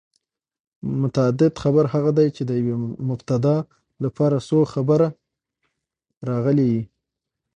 متعدد خبر هغه دئ، چي د یوې مبتداء له پاره څو خبره راغلي يي.